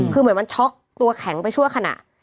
คือเหมือนมันช็อกตัวแข็งไปชั่วขณะ